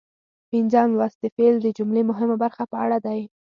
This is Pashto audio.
پنځم لوست د فعل د جملې مهمه برخه په اړه دی.